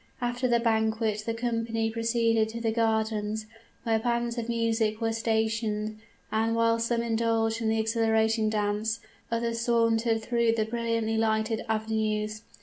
After the banquet the company proceeded to the gardens, where bands of music were stationed, and while some indulged in the exhilarating dance, others sauntered through the brilliantly lighted avenues.